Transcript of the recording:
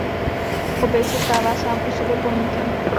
Objekt se stává sám o sobě pomníkem.